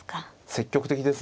積極的ですね。